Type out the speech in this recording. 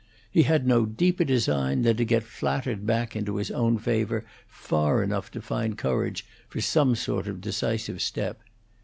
He had no deeper design than to get flattered back into his own favor far enough to find courage for some sort of decisive step.